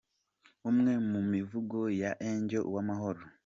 Umwe mu mivugo ya Angel Uwamahoro.